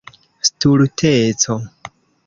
stulteco